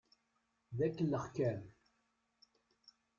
D akellex kan.